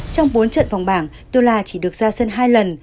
trong bốn trận vòng bảng tula chỉ được ra sân hai lần